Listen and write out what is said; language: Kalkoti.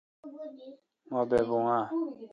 مہبےبوں آں؟